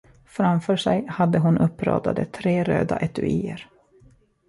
Framför sig hade hon uppradade tre röda etuier.